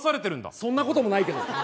そんなこともないけど。